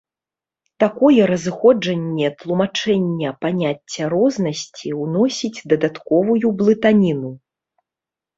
Такое разыходжанне тлумачэння паняцця рознасці ўносіць дадатковую блытаніну.